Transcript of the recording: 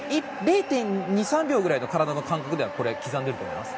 ０．２３秒ぐらいの体の感覚ではこれ、刻んでると思います。